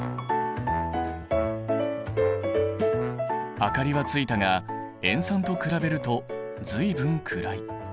明かりはついたが塩酸と比べると随分暗い。